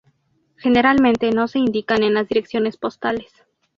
Generalmente no se indican en las direcciones postales.